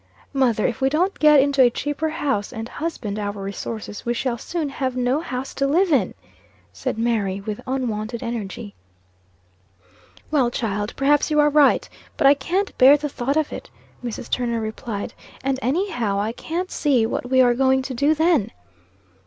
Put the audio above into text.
"Mother, if we don't get into a cheaper house and husband our resources, we shall soon have no house to live in!" said Mary, with unwonted energy. "Well, child, perhaps you are right; but I can't bear the thought of it," Mrs. Turner replied. "And any how, I can't see what we are going to do then."